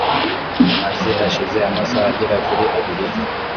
maze hashize amasaha agera kuri abiri